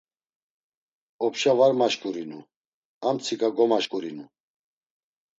Opşa var maşǩurinu, amtsiǩa gomaşǩurinu.